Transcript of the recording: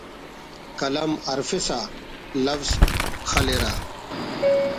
قلم ہرفسا لوز خلرہ